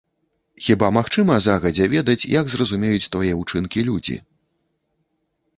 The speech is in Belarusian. Хіба магчыма загадзя ведаць, як зразумеюць твае ўчынкі людзі?